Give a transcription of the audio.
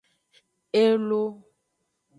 Elo.